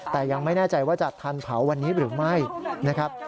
แต่ยังไม่แน่ใจว่าจะทันเผาวันนี้หรือไม่นะครับ